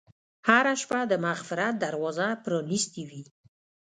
هره شپه د مغفرت دروازه پرانستې وي.